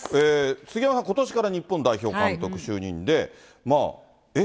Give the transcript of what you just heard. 杉山さん、ことしから日本代表監督就任で。